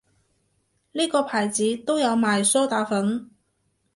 呢個牌子都有賣梳打粉